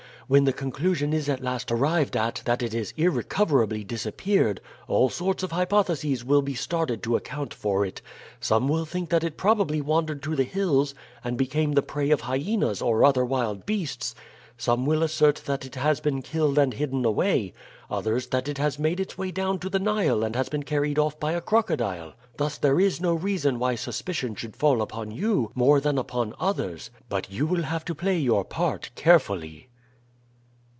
When the conclusion is at last arrived at that it has irrecoverably disappeared all sorts of hypotheses will be started to account for it; some will think that it probably wandered to the hills and became the prey of hyenas or other wild beasts; some will assert that it has been killed and hidden away; others that it has made its way down to the Nile and has been carried off by a crocodile. Thus there is no reason why suspicion should fall upon you more than upon others, but you will have to play your part carefully."